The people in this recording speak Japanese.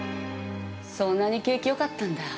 そんなに景気よかったんだ。